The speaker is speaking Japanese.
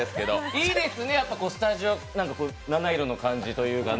いいですね、スタジオ七色の感じというか。